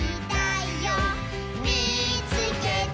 「みいつけた」